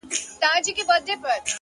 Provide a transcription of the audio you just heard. هره هڅه ارزښت رامنځته کوي.!